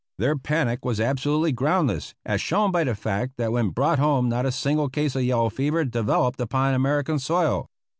Their panic was absolutely groundless, as shown by the fact that when brought home not a single case of yellow fever developed upon American soil.